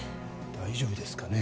大丈夫ですかね